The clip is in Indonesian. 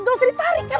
gak usah ditarik kan